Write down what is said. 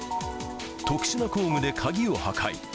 特殊な工具で鍵を破壊。